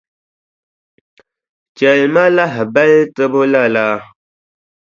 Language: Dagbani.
Chɛli ma lahabali tibu lala.